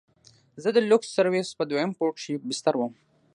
زه د لوکس سرويس په دويم پوړ کښې بستر وم.